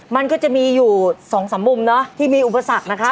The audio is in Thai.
มันก็จะมีอยู่๒๓มุมนะที่มีอุปสรรคนะครับ